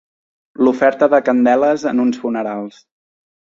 L'oferta de candeles en uns funerals.